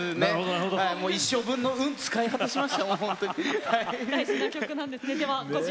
もう一生分の運を使い果たしました。